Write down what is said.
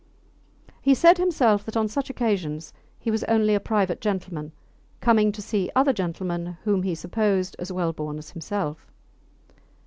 He said himself that on such occasions he was only a private gentleman coming to see other gentlemen whom he supposed as well born as himself.